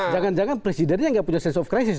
jangan jangan presidennya nggak punya sense of crisis